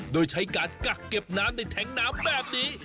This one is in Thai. โดยใช้การกักเก็บน้ำในแท้งน้ำแบบนี้